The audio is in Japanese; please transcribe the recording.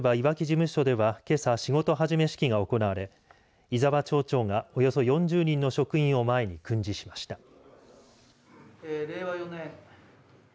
双葉町役場いわき事務所ではけさ、仕事始め式が行われ伊澤町長がおよそ４０人の職員を前に訓示しました。